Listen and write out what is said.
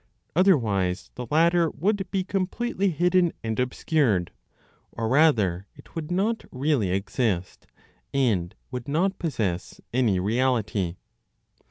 Otherwise, the latter would be completely hidden and obscured; or rather, it would not really exist, and would not possess any reality.